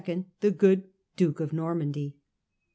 (the Good), duke of Normandy.